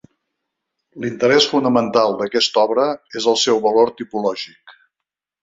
L'interès fonamental d'aquesta obra és el seu valor tipològic.